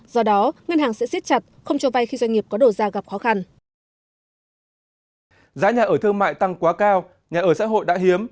giá nhà ở thương mại tăng quá cao nhà ở xã hội đã hiếm